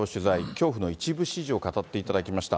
恐怖の一部始終を語っていただきました。